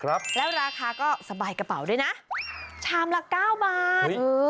แล้วราคาก็สบายกระเป๋าด้วยนะชามละ๙บาท